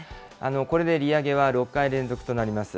これで利上げは６回連続となります。